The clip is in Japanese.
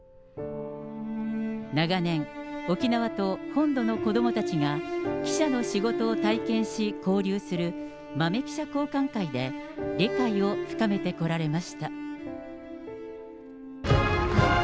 長年、沖縄と本土の子どもたちが記者の仕事を体験し、交流する豆記者交歓会で理解を深めてこられました。